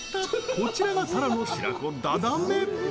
こちらがタラの白子、ダダメ！